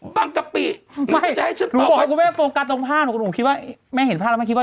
บ้างกะปริน้อยจะให้